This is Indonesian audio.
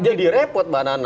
jadi repot mbak nana